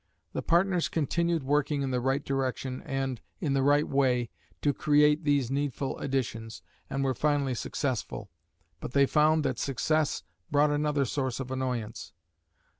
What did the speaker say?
The partners continued working in the right direction and in the right way to create these needful additions and were finally successful, but they found that success brought another source of annoyance.